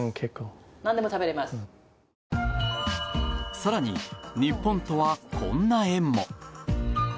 更に、日本とはこんな縁も。